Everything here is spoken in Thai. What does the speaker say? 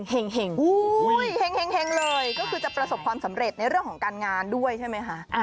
เห็งเห็งเลยก็คือจะประสบความสำเร็จในเรื่องของการงานด้วยใช่ไหมคะ